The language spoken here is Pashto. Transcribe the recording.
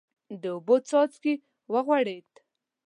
د اوبو څاڅکی ورغړېد.